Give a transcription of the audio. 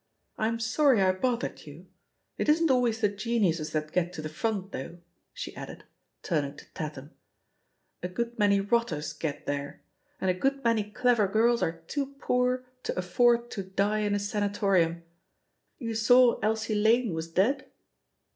"I'm sorry I bothered you. It isn't always the gen iuses that get to the front, though," she added. THE POSITION OF PEGGY HARPER VIS turning to Tatham; "a good many rotters get there — ^and a good many clever girls are too poor to afford to die in a sanatorimn. You saw Elsie Lane was dead?"